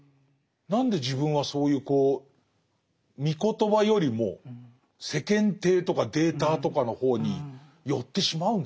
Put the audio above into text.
何で自分はそういうこうみ言葉よりも世間体とかデータとかの方に寄ってしまうんですかね。